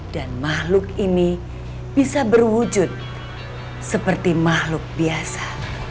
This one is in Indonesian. dan makhluk ini bisa berwujud seperti makhluk biasa